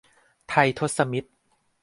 ไททศมิตร